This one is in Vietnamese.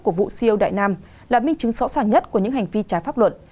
của vụ ceo đại nam là minh chứng sỏ sàng nhất của những hành vi trái pháp luận